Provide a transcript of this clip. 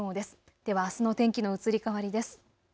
ではあすの天気の移り変わりです。